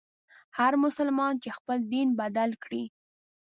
هر مسلمان چي خپل دین بدل کړي.